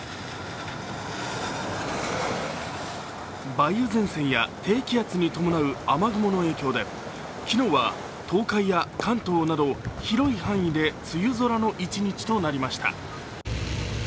梅雨前線や低気圧に伴う雨雲の影響で昨日は東海や関東など広い範囲で梅雨空の一日となりました。